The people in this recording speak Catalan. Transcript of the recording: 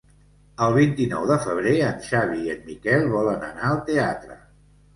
El vint-i-nou de febrer en Xavi i en Miquel volen anar al teatre.